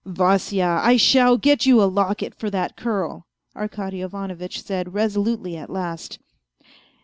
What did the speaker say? " Vasya, I shall get you a locket for that curl," Arkady Ivano vitch said resolutely at last.